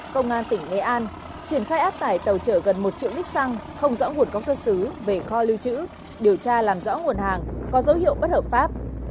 cổng xuất xứ về kho lưu trữ điều tra làm rõ nguồn hàng có dấu hiệu bất hợp pháp